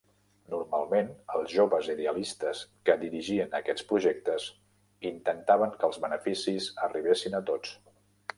Normalment, els joves idealistes que dirigien aquests projectes intentaven que els beneficis arribessin a tots.